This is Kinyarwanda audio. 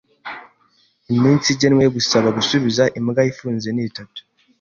Iminsi igenwe yo gusaba gusubiza imbwa ifunze ni itatu.